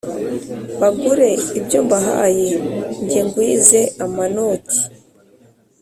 Bagure ibyo mbahaye Jye ngwize amanoti